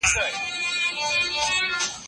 ايا هلک بايد د نجلۍ ښکلا ته پام وکړي؟